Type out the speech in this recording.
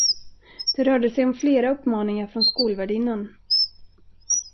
Det rörde sig om flera uppmaningar från skolvärdinnan.